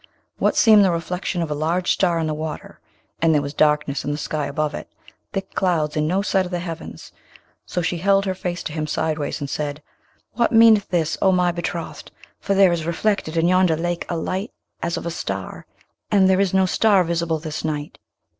what seemed the reflection of a large star in the water; and there was darkness in the sky above it, thick clouds, and no sight of the heavens; so she held her face to him sideways and said, 'What meaneth this, O my betrothed? for there is reflected in yonder lake a light as of a star, and there is no star visible this night.'